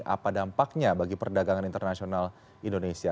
apa dampaknya bagi perdagangan internasional indonesia